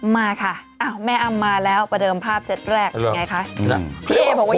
มาค่ะอ้าวแม่อ้ำมาแล้วประเดิมภาพเซตแรกไงคะพี่เอบอกว่า